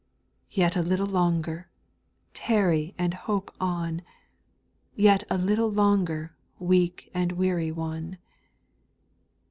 Yet a little longer, tarry and hope on, — Yet a little longer, weak and weary one